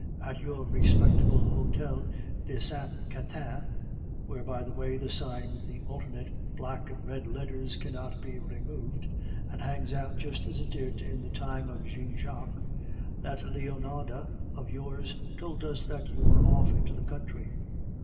"At your respectable hotel de Saint Quentin, where, by the way, the sign with the alternate black and red letters cannot be removed, and hangs out just as it did in the time of Jean Jacques, that Leonarda of yours told us that you were off into the country.